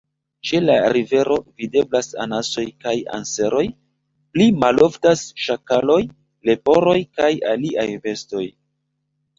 Ĉe la rivero videblas anasoj kaj anseroj; pli maloftas ŝakaloj, leporoj kaj aliaj bestoj.